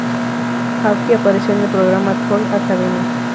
Hawke apareció en el programa "Tool Academy".